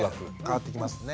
変わってきますね。